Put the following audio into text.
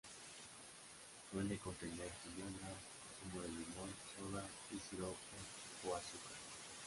Suele contener ginebra, zumo de limón, soda y sirope o azúcar.